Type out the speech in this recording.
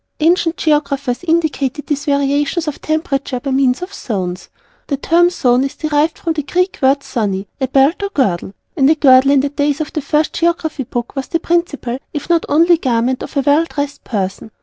Ancient Geographers indicated these variations of temperature by means of Zones. The Term Zone is derived from the Greek word ζωνη a Belt or Girdle, and a Girdle in the days of the First Geography Book was the principal (if not the only) garment of a well dressed person.